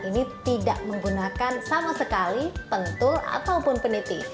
ini tidak menggunakan sama sekali pentul ataupun peniti